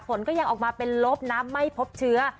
ผลก็ยังออกมาเป็นลบนะไม่พบเชื้อ